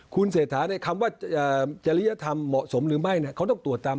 คุณเสธาในคำว่าจะริยภรรณ์เหมาะสมหรือไม่เนี่ยเขาต้องตรวจตาม